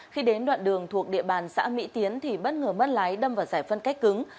khi đến đoạn đường thuộc địa bàn xã mỹ tiến thì bất ngờ mất lái đâm vào giải phân cách cứng